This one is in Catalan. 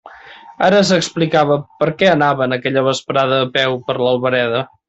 Ara s'explicava per què anaven aquella vesprada a peu per l'Albereda.